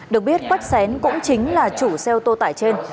được biết quách xén cũng chính là chủ xe ô tô tải trên